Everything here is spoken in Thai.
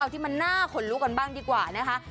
ที่มันน่าขนลุกกันบ้างดีกว่านะคะ